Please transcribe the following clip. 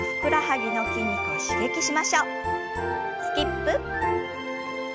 スキップ。